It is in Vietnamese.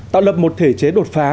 tạo lập một thể chế đột phá